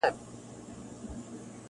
شپږي څرنگه له سر څخه ټولېږي-